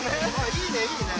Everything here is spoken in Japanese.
いいねいいね。